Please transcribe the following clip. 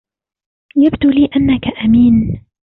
يبدو لي أنكَ أمين.